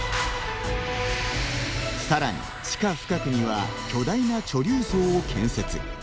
さらに地下深くには巨大な貯留槽を建設。